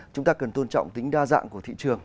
chúng ta cần tôn trọng tính đa dạng của thị trường